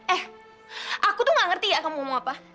eh aku tuh gak ngerti ya kamu ngomong apa